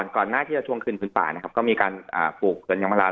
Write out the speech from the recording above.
ก่อนหน้าจะชวงคืนผืนป่านะครับก็มีการปลูกตัวนี่มาแล้ว